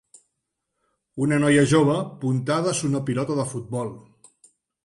Una noia jove puntades una pilota de futbol